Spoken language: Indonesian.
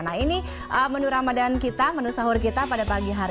nah ini menu ramadan kita menu sahur kita pada pagi hari